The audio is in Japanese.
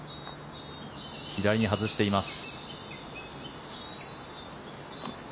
左に外しています。